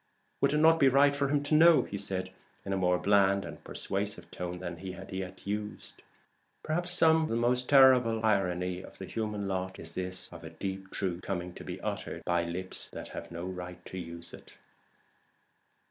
"Would it not be right for him to know?" said Jermyn, in a more bland and persuasive tone than he had yet used. Perhaps some of the most terrible irony of the human lot is this of a deep truth coming to be uttered by lips that have no right to it.